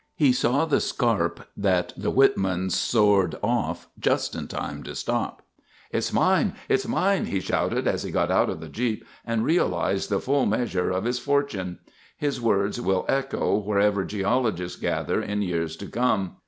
He saw the scarp that the Whitmans soared off just in time to stop. "It's mine! It's mine!" he shouted as he got out of the jeep and realized the full measure of his fortune. His words will echo wherever geologists gather in years to come.